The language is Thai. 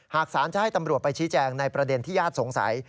สารจะให้ตำรวจไปชี้แจงในประเด็นที่ญาติสงสัย